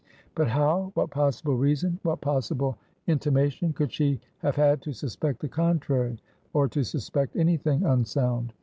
But how what possible reason what possible intimation could she have had to suspect the contrary, or to suspect any thing unsound?